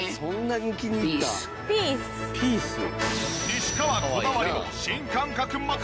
西川こだわりの新感覚枕！